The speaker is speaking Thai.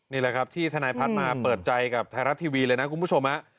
นี่แหละครับที่ทนายพัฒน์มาเปิดใจกับไทยรัฐทีวีเลยนะคุณผู้ชม